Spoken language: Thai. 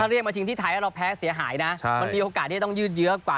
เรียกมาชิงที่ไทยแล้วเราแพ้เสียหายนะมันมีโอกาสที่จะต้องยืดเยอะกว่า